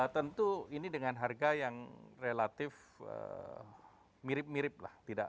tentu ini dengan harga yang relatif mirip mirip lah